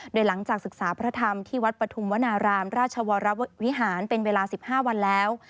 โดยหลังจากศึกษาพระธรรมที่วัดปฐุมวนารามราชวรวิหารเป็นเวลา๑๕วันแล้ว